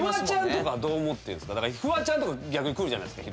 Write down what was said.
フワちゃんとか逆にくるじゃないですか。